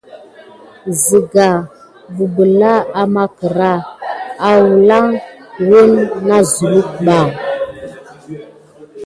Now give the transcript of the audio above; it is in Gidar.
Sigan bibilà amà kera akulin kunane zukuɓa.